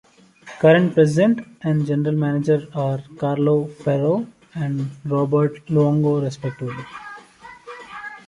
Current president and general manager are Carlo Ferro and Roberto Luongo respectively.